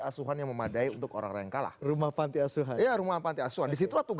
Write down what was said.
asuhan yang memadai untuk orang orang yang kalah rumah panti asuhan ya rumah panti asuhan disitulah tugas